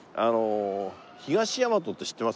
東大和って知ってます？